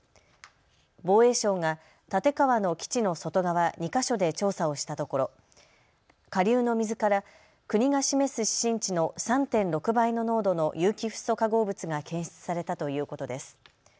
防衛省が蓼川の基地の外側２か所で調査をしたところ下流の水から国が示す指針値の３．６倍の濃度の有機フッ素化合物が検出されたということです。